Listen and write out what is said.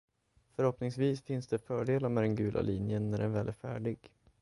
Förhoppningsvis finns det fördelar med den gula linjen när den väl är färdig.